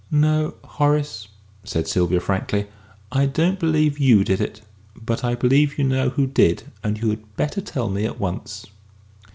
"No, Horace," said Sylvia frankly. "I don't believe you did it. But I believe you know who did. And you had better tell me at once!"